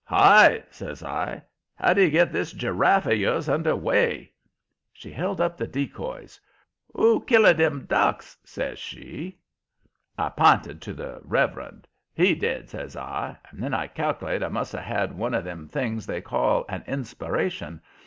"Hi!" says I. "How do you get this giraffe of yours under way?" She held up the decoys. "Who kill a dem ducks?" says she. I p'inted to the reverend. "He did," says I. And then I cal'late I must have had one of them things they call an inspiration.